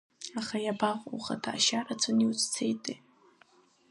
Аха иабаҟоу ухаҭа ашьа рацәаны иуцәцеитеи!